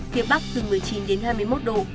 phía bắc từ một mươi chín đến hai mươi một độ